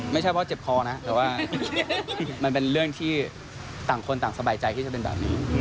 ไม่ใช่ว่าเจ็บคอนะแต่ว่ามันเป็นเรื่องที่ต่างคนต่างสบายใจที่จะเป็นแบบนี้